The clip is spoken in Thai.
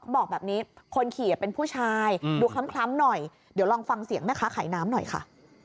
บอกแบบนี้คนขี่เป็นผู้ชายดูคล้ำหน่อยเดี๋ยวลองฟังเสียงแม่ค้าขายน้ำหน่อยค่ะ